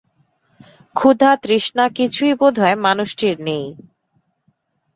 ক্ষুধা-তৃষ্ণা কিছুই বোধ-হয় মানুষটির নেই।